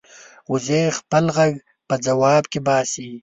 وزې خپل غږ په ځواب کې باسي